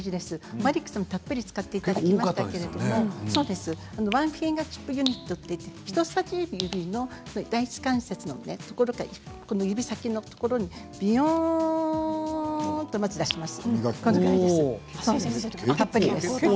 マリックさんもたっぷり使っていただきましたけれどもワンフィンガーチップユニットといって人さし指の第一関節のところ指先のところにびよーんとまず出します。